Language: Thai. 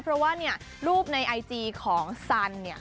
เพราะว่ารูปในไอจีของสัน